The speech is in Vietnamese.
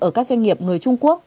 ở các doanh nghiệp người trung quốc